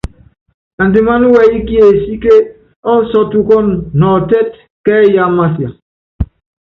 Andimáná wɛyí kiesíke ɔ́sɔ́tukɔ́nɔ nɔɔtɛ́t kɛ́yí ámasia.